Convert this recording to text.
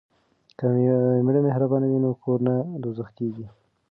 که میړه مهربان وي نو کور نه دوزخ کیږي.